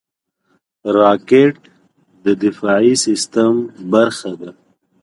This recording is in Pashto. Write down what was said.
راکټ د دفاعي سیستم برخه ده